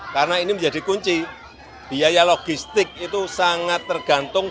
karena ini menjadi kunci biaya logistik itu sangat tergantung